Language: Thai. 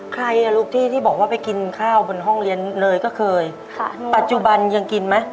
ใครอ่ะลูกที่ที่บอกว่าไปกินข้าวบนห้องเรียนเนยก็เคยค่ะปัจจุบันยังกินไหม